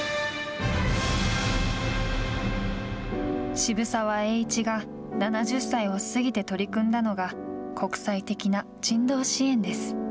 渋沢栄一が７０歳を過ぎて取り組んだのが、国際的な人道支援です。